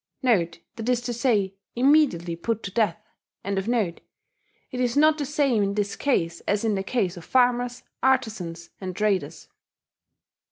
* [*That is to say, immediately put to death.] It is not the same in this case as in the case of farmers, artizans, and traders."